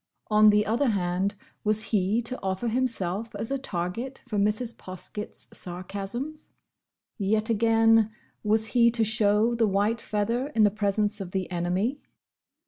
On the other hand was he to offer himself as a target for Mrs. Poskett's sarcasms? Yet again, was he to show the white feather in the presence of the enemy?